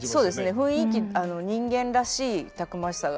雰囲気人間らしいたくましさが。